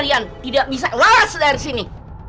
dia tidak bisa keluar dari sini